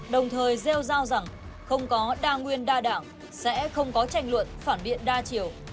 đồng thời rêu giao rằng không có đa nguyên đa đảng sẽ không có tranh luận phản biện đa chiều